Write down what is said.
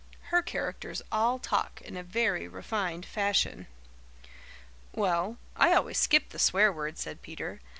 Her characters all talk in a very refined fashion." "Well, I always skip the swear words," said Peter.